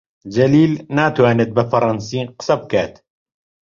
جەلیل ناتوانێت بە فەڕەنسی قسە بکات.